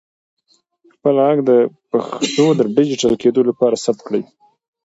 خپل ږغ د پښتو د ډیجیټل کېدو لپاره ثبت کړئ.